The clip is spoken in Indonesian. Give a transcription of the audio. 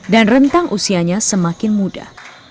dan rentang usianya semakin muda